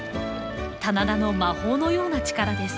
棚田の魔法のような力です。